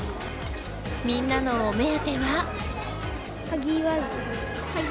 みんなのお目当ては。